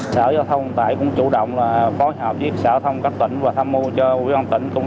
sở giao thông hiện tại cũng chủ động phối hợp với sở thông các tỉnh và tham mưu cho quý văn tỉnh cũng